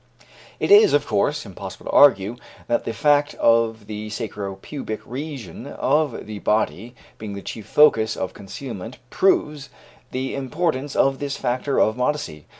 It is, of course, impossible to argue that the fact of the sacro pubic region of the body being the chief focus of concealment proves the importance of this factor of modesty.